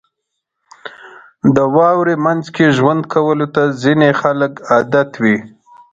• د واورې مینځ کې ژوند کولو ته ځینې خلک عادت وي.